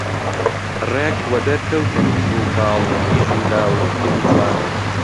ڕێک وەدەرکەوتن کوڕوکاڵ، کیژ و لاو، پیر و جوان